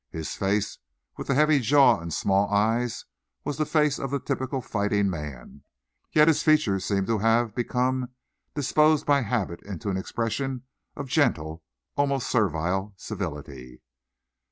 His face, with the heavy jaw and small eyes, was the face of the typical fighting man, yet his features seemed to have become disposed by habit into an expression of gentle, almost servile civility.